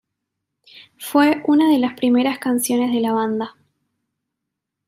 Fue una de las primeras canciones de la banda.